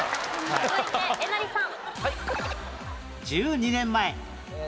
続いてえなりさん。